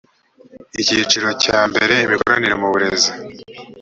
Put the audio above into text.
icyiciro cyambere imikoranire mu burezi